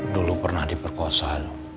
dulu pernah diperkosa